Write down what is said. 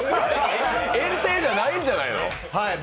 炎帝じゃないんじゃないの？